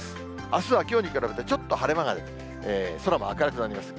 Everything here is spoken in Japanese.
あすはきょうに比べてちょっと晴れ間が出て、空も明るくなります。